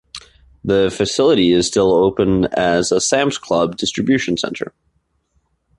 The facility is still open as a Sam's Club Distribution Center.